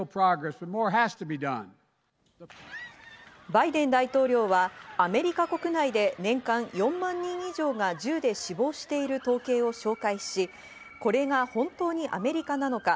バイデン大統領はアメリカ国内で年間４万人以上が銃で死亡している統計を紹介し、これが本当にアメリカなのか。